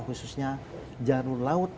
khususnya jarum laut